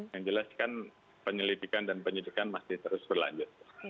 yang jelas kan penyelidikan dan penyidikan masih terus berlanjut